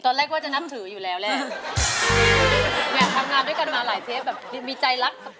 ตอนแรกว่าจะนับถืออยู่แล้วแหละ